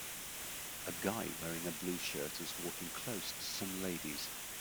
A guy wearing a blue shirt is walking close to some ladies.